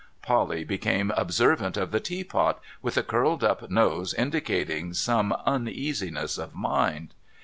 Polly became observant of the teapot, with a curled up nose indicating some uneasiness of mind.